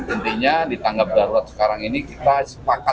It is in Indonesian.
intinya di tangga beruat sekarang ini kita sepakat semua meyakinkan bahwa